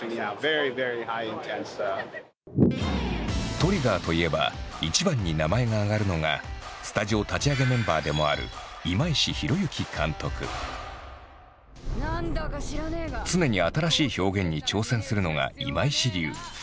ＴＲＩＧＧＥＲといえば一番に名前が挙がるのがスタジオ立ち上げメンバーでもある常に新しい表現に挑戦するのが今石流。